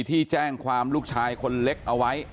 ที่แจ้งความลูกชายคนเล็กเอาไว้